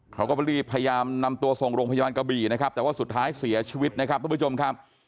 เขาก็รีบพยายามนำตัวส่งโรงพยาบาลกระบี่นะครับแต่ว่าสุดท้ายเสียชีวิตนะครับทุกผู้ชมครับ